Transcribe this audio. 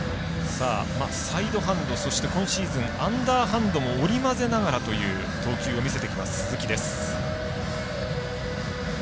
サイドハンドそして、今シーズンアンダーハンドも織り交ぜながらという投球を見せてきます、鈴木です。